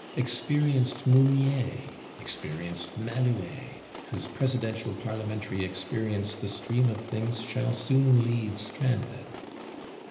Experienced Mounier, experienced Malouet, whose Presidential Parlementary experience the stream of things shall soon leave stranded.